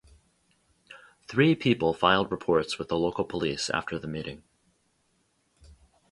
Three people filed reports with the local police after the meeting.